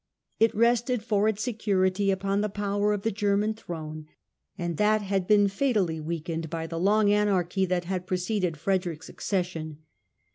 It rested for its security upon the power of the German throne, and that had been fatally weakened by the long anarchy that had preceded Frederick's acces sion.